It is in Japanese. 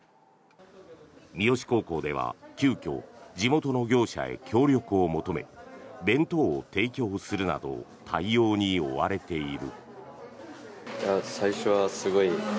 三次高校では急きょ、地元の業者へ協力を求め弁当を提供するなど対応に追われている。